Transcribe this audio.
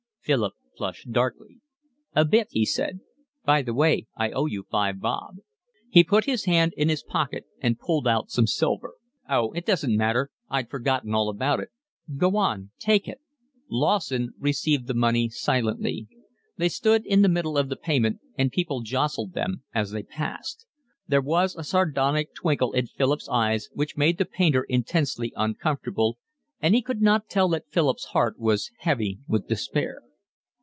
Philip flushed darkly. "A bit," he said. "By the way, I owe you five bob." He put his hand in his pocket and pulled out some silver. "Oh, it doesn't matter. I'd forgotten all about it." "Go on, take it." Lawson received the money silently. They stood in the middle of the pavement, and people jostled them as they passed. There was a sardonic twinkle in Philip's eyes, which made the painter intensely uncomfortable, and he could not tell that Philip's heart was heavy with despair.